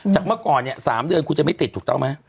จากเมื่อก่อน๓เดือนคุณจะไม่ติดถูกต้องไหม